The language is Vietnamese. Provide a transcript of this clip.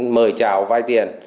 mời chào vay tiền